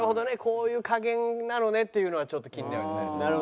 こういう加減なのねっていうのはちょっと気にはなる。